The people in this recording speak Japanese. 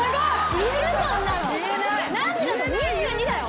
２２だよ。